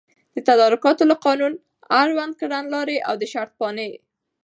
د تدارکاتو له قانون، اړوند کړنلاري او د شرطپاڼي